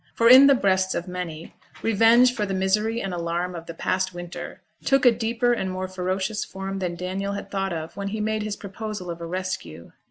For, in the breasts of many, revenge for the misery and alarm of the past winter took a deeper and more ferocious form than Daniel had thought of when he made his proposal of a rescue.